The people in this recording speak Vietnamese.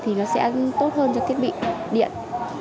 thì nó sẽ tốt hơn cho thiết bị điện